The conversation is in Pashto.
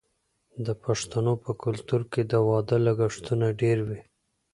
د پښتنو په کلتور کې د واده لګښتونه ډیر وي.